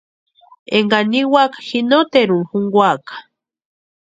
Énkani niwaka ji noteruni junkwaaka.